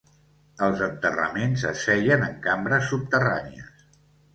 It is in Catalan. Els enterraments es feien en cambres subterrànies.